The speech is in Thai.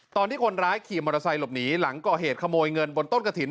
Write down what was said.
ตอนที่คนร้ายขี่มอเตอร์ไซค์หลบหนีหลังก่อเหตุขโมยเงินบนต้นกระถิ่น